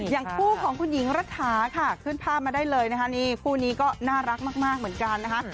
อย่างคู่ของคุณหญิงรัฐาค่ะขึ้นภาพมาได้เลยนะคะนี่คู่นี้ก็น่ารักมากเหมือนกันนะคะ